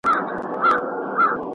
موږ د هغوی پيروان يو.